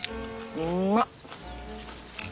うまっ！